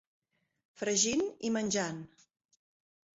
Fregint i menjant.